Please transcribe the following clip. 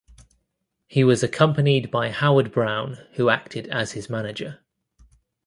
He was accompanied by Howard Brown who acted as his manager.